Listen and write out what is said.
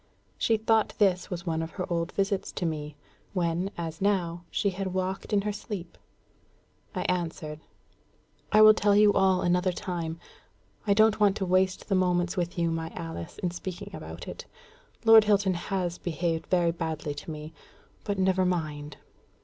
She thought this was one of her old visits to me, when, as now, she had walked in her sleep. I answered, "I will tell you all another time. I don't want to waste the moments with you, my Alice, in speaking about it. Lord Hilton has behaved very badly to me; but never mind."